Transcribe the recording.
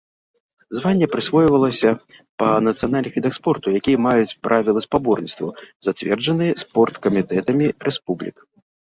Званне прысвойвалася па нацыянальных відах спорту, якія маюць правілы спаборніцтваў, зацверджаныя спорткамітэтамі рэспублік.